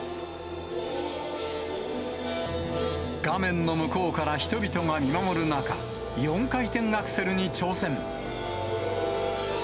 画面の向こうから人々が見守る中、４回転アクセルに挑戦。